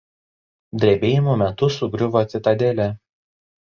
Drebėjimo metu sugriuvo citadelė.